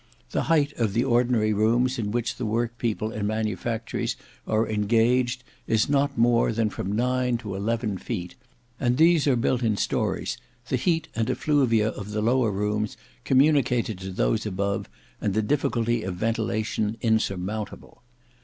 The height of the ordinary rooms in which the work people in manufactories are engaged is not more than from nine to eleven feet; and these are built in stories, the heat and effluvia of the lower rooms communicated to those above, and the difficulty of ventilation insurmountable.